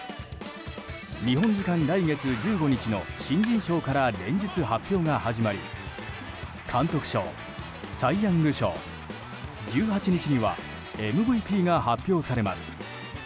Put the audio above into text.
日本時間来月１５日の新人賞から連日発表が始まり監督賞、サイ・ヤング賞１８日にはＭＶＰが発表されます。